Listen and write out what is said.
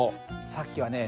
さっきはね